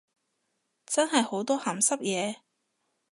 真係好多鹹濕嘢